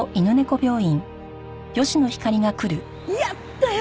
やったよ！